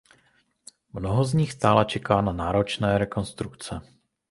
Mnoho z nich stále čeká na náročné rekonstrukce.